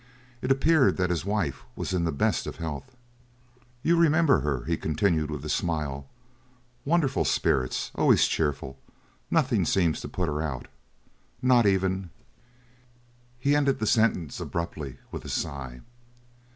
It appeared that his wife was in the best of health. "You remember her," he continued with a smile; "wonderful spirits, always cheerful, nothing seems to put her out, not even—" He ended the sentence abruptly with a sigh.